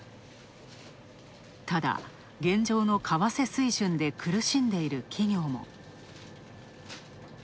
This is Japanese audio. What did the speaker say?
ただ、現状の為替水準で苦しんでいる企業も。